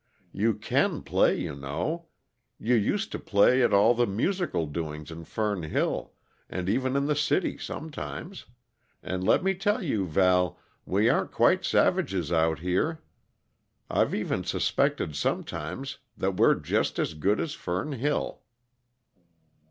You can play, you know; you used to play at all the musical doings in Fern Hill, and even in the city sometimes. And, let me tell you, Val, we aren't quite savages, out here. I've even suspected, sometimes, that we're just as good as Fern Hill."